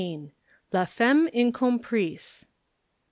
LA FEMME INCOMPRISE.